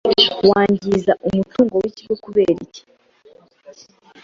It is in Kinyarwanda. wangiza umutungo w’ ikigo Kubera iki